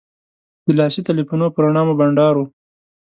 د لاسي تیلفونو په رڼا مو بنډار و.